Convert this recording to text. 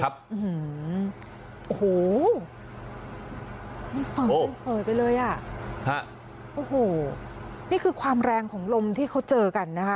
โอ้โหมันเอ่ยไปเลยอ่ะฮะโอ้โหนี่คือความแรงของลมที่เขาเจอกันนะคะ